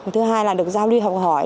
thứ hai là được giao lưu học hỏi